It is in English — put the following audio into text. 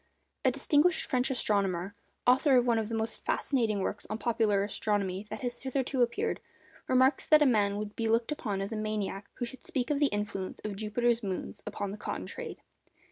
_ A distinguished French astronomer, author of one of the most fascinating works on popular astronomy that has hitherto appeared, remarks that a man would be looked upon as a maniac who should speak of the influence of Jupiter's moons upon the cotton trade.